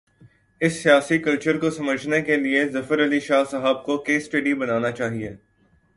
اس سیاسی کلچر کو سمجھنے کے لیے، ظفر علی شاہ صاحب کو "کیس سٹڈی" بنا نا چاہیے۔